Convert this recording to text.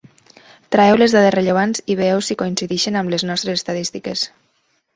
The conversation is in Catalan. Traieu les dades rellevants i veieu si coincideixen amb les nostres estadístiques.